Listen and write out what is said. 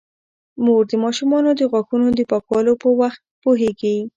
مور د ماشومانو د غاښونو د پاکولو په وخت پوهیږي.